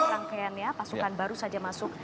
rangkaiannya pasukan baru saja masuk